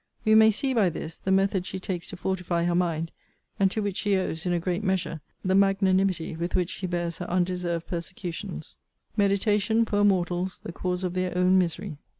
We may see, by this, the method she takes to fortify her mind, and to which she owes, in a great measure, the magnanimity with which she bears her undeserved persecutions. MEDITATION POOR MORTALS THE CAUSE OF THEIR OWN MISERY.